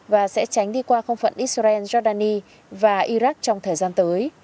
và sẽ tránh đi qua không phận israel giordani và iraq trong thời gian tới